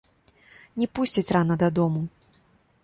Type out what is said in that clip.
Не пусціць рана дадому.